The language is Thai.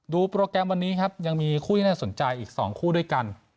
โปรแกรมวันนี้ครับยังมีคู่ที่น่าสนใจอีก๒คู่ด้วยกัน